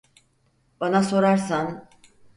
Bana sorarsan…